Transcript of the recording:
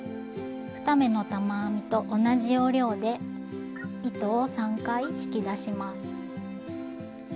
２目の玉編みと同じ要領で糸を３回引き出します。